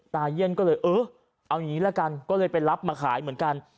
เยี่ยนก็เลยเออเอาอย่างนี้ละกันก็เลยไปรับมาขายเหมือนกัน